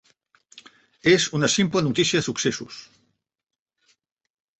És una simple notícia de successos.